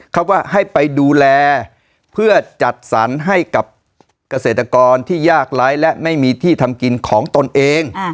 เขาว่าให้ไปดูแลเพื่อจัดสรรให้กับเกษตรกรที่ยากไร้และไม่มีที่ทำกินของตนเอง